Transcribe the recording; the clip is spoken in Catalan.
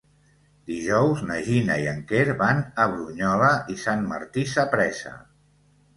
Dijous na Gina i en Quer van a Brunyola i Sant Martí Sapresa.